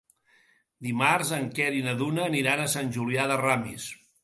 Dimarts en Quer i na Duna aniran a Sant Julià de Ramis.